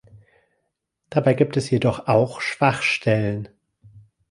Dabei gibt es jedoch auch Schwachstellen.